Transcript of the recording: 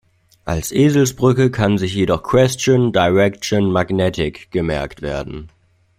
Als Eselsbrücke kann sich jedoch Question Direction Magnetic gemerkt werden.